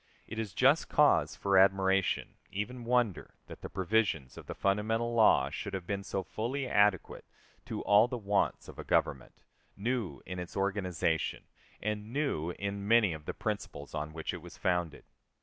It is just cause for admiration, even wonder, that the provisions of the fundamental law should have been so fully adequate to all the wants of a government, new in its organization, and new in many of the principles on which it was founded.